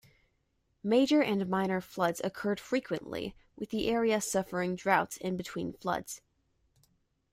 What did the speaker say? Major and minor floods occurred frequently, with the area suffering droughts in between floods.